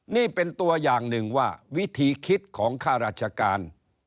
นี่เป็นตัวอย่างหนึ่งว่าวิธีคิดของข้าราชการ